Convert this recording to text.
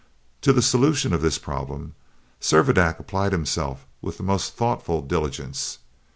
To the solution of this problem Servadac applied himself with the most thoughtful diligence.